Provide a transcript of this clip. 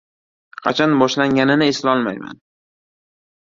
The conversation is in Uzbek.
Qachon boshlanganini eslolmayman.